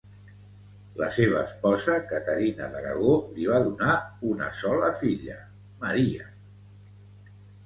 La seva esposa, Caterina d'Aragó, li va donar una sola filla, Maria.